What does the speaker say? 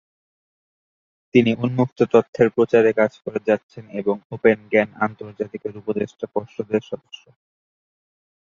তিনি উন্মুক্ত তথ্যের প্রচারে কাজ করে যাচ্ছেন এবং ওপেন জ্ঞান আন্তর্জাতিকের উপদেষ্টা পর্ষদের সদস্য।